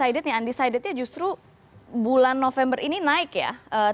yang menarik undecidednya justru bulan november ini naik ya